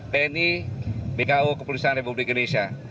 tni bko kepolisian republik indonesia